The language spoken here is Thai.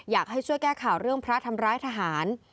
อยากให้ช่วยแก้ข่าวเรื่องพระทำร้ายทหาร